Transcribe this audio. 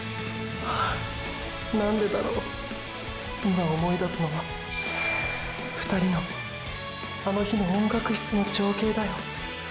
今思い出すのは２人のあの日の音楽室の情景だよ。